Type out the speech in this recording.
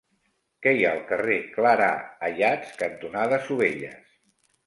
Què hi ha al carrer Clarà Ayats cantonada Sovelles?